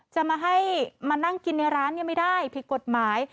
จะมาให้มานั่งกินในร้านไม่ได้ผิดกฎหมาย